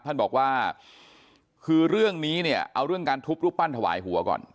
ท่านบอกว่าคือเรื่องนี้เนี่ยเอาเรื่องการทุบรูปปั้นถวายหัวก่อน